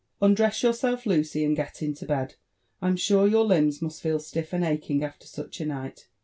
Undress yourself, Lucy, and get into bed ; I am sure your limbs must feef stiff and aching after such a night.